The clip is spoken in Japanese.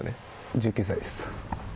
１９歳です。